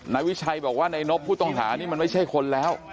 นายวิชัยบอกว่านายนบผู้ต้องหานี่มันไม่ใช่คนแล้ว